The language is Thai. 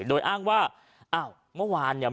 โดยอ้างว่าอ้าวเมื่อวานเนี่ย